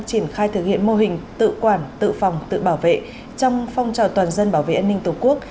triển khai thực hiện mô hình tự quản tự phòng tự bảo vệ trong phong trào toàn dân bảo vệ an ninh tổ quốc